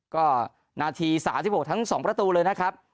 ก็นาที๓๖ทั้ง๒ประตูเลยนะครับ